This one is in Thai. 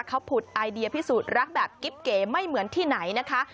เขาผุดไอเดียพิสูจน์รักแบบกิ๊บเก๋ไม่เหมือนที่ไหนนะคะ